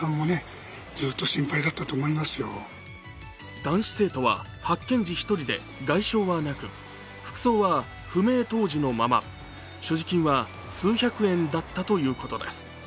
男子生徒は発見時１人で、外傷はなく服装は不明当時のまま、所持金は数百円だったということです。